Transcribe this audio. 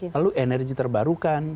lalu energi terbarukan